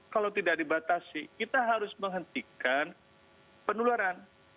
kalau tidak dibatasi kita harus menghentikan penularan